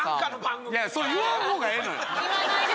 それ言わんほうがええのよ。